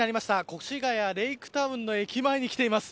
越谷レイクタウンの駅前に来ています。